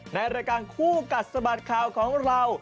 ในรายการคู่กัดสะบัดข่าวของเรา